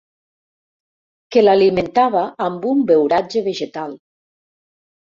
Que l'alimentava amb un beuratge vegetal.